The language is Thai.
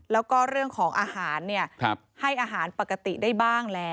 แล้วก็เรื่องของอาหารให้อาหารปกติได้บ้างแล้ว